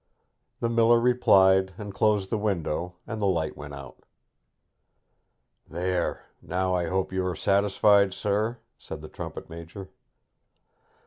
The miller replied and closed the window, and the light went out. 'There, now I hope you are satisfied, sir?' said the trumpet major.